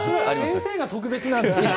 先生が特別なんですよ。